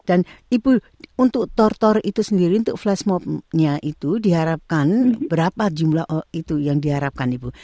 dan ibu untuk tortor itu sendiri untuk flashmob nya itu diharapkan berapa jumlah itu yang diharapkan ibu